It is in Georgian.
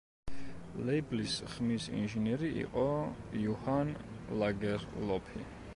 ლეიბლის ხმის ინჟინერი იყო იუჰან ლაგერლოფი.